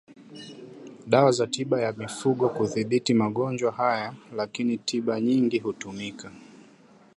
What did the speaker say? dawa za tiba ya mifugo kudhibiti magonjwa haya lakini tiba nyingi hutumika